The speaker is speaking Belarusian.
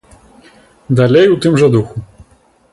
Далей у тым жа духу.